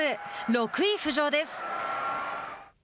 ６位浮上です。